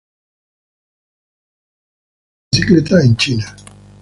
Es uno de los cinco mayores fabricantes de motocicletas en China.